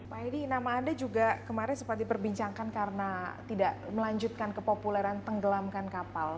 pak edy nama anda juga kemarin seperti perbincangkan karena tidak melanjutkan kepopuleran tenggelamkan kapal